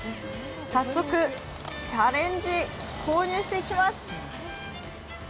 早速、チャレンジ投入していきます。